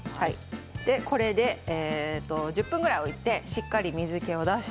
これで１０分ぐらい置いてしっかり水けを出す。